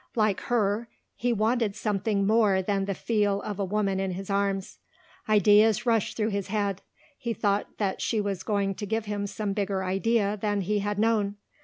Like her he wanted something more than the feel of a woman in his arms. Ideas rushed through his head; he thought that she was going to give him some bigger idea than he had known.